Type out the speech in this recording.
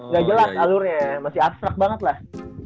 nggak jelas alurnya masih abstrak banget lah